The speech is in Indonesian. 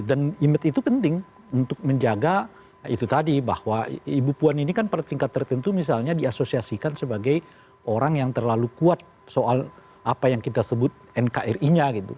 image itu penting untuk menjaga itu tadi bahwa ibu puan ini kan pada tingkat tertentu misalnya diasosiasikan sebagai orang yang terlalu kuat soal apa yang kita sebut nkri nya gitu